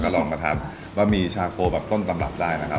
ลองมาทานบะหมี่ชาโคแบบต้นตำรับได้นะครับ